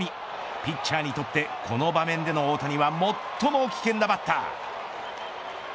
ピッチャーにとってこの場面での大谷は最も危険なバッター。